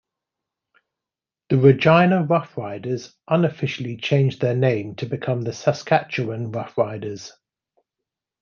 The Regina Roughriders unofficially changed their name to become the Saskatchewan Roughriders.